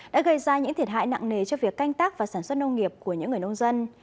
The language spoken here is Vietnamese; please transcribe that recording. đã gây ra những thiệt hại nặng nề cho việc canh tác và sản xuất nông nghiệp của những người nông dân